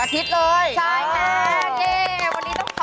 อ้าว